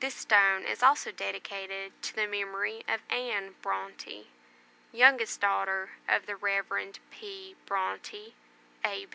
THIS STONE IS ALSO DEDICATED TO THE MEMORY OF ANNE BRONTE, YOUNGEST DAUGHTER OF THE REV. P. BRONTE, A.